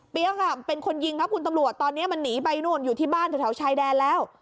เป็นคนยิงครับคุณตำรวจตอนนี้มันหนีไปนู่นอยู่ที่บ้านแถวชายแดนแล้ว